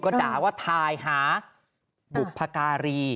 ก็ด่าว่าถ่ายหาบุพการี